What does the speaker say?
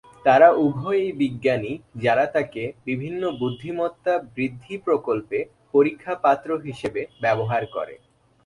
তারা উভয়েই বিজ্ঞানী যারা তাকে বিভিন্ন বুদ্ধিমত্তা বৃদ্ধি প্রকল্পে পরীক্ষা পাত্র হিসাবে ব্যবহার করে।